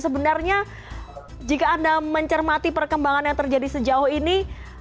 sebenarnya jika anda mencermati perkembangan yang terjadi sejauh ini